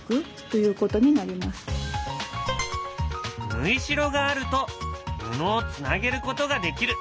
ぬいしろがあると布をつなげることができる。